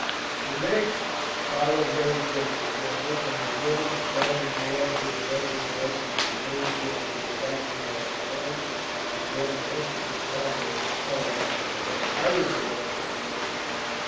"The next followed very quickly, general; and was given for carrying an order to the Prussian horse, which enabled them to get back to our lines before the Austrian cavalry fell upon them." "I was there," Lacy said.